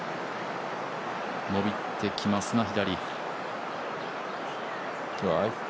伸びてきますが左。